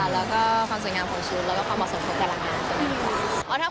แล้วก็ความสวยงามของชุดแล้วก็ความเหมาะสมภัณฑ์ในการรามาน